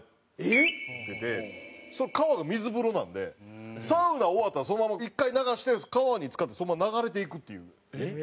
その川が水風呂なんでサウナ終わったらそのまま１回流して川につかってそのまま流れていくっていう。